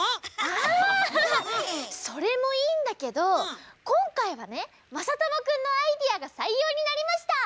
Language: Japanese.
あ！それもいいんだけどこんかいはねまさともくんのアイデアがさいようになりました。